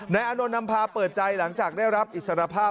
อานนท์นำพาเปิดใจหลังจากได้รับอิสรภาพ